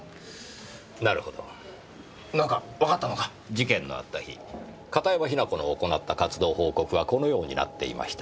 事件のあった日片山雛子の行った活動報告はこのようになっていました。